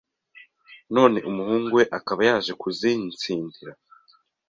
none umuhungu we akaba yaje kuzinsindira